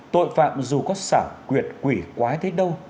tội phạm dù có xảo quyệt quỷ quái thấy đâu